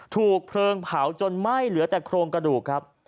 ถูกเพลิงเผาจนไหม้เหลือแต่โครงกระดูกครับ